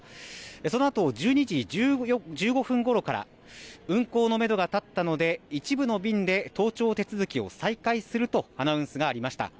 そのあと１２時１５分ごろから運航のめどが立ったので一部の便で搭乗手続きを再開するとアナウンスがありました。